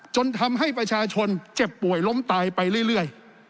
จนทำให้ประชาชนเจ็บป่วยล้มตายไปเรื่อย